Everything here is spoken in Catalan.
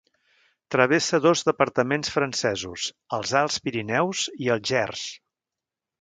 Travessa dos departaments francesos: els Alts Pirineus i el Gers.